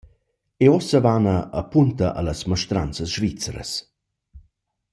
E uossa vana apunta a las maestranzas svizras.